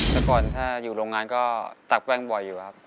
แต่ก่อนถ้าอยู่โรงงานก็ตักแป้งบ่อยอยู่ครับ